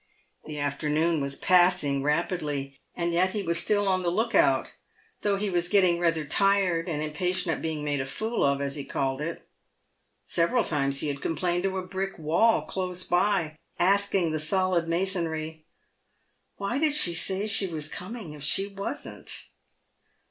The afternoon was passing rapidly, and yet he was still on the look out, though he was getting rather tired and impatient at being made a fool of, as he called it. Several times he had complained to a brick wall close by, asking the solid masonry, " Why did she say she was coming if she wasn't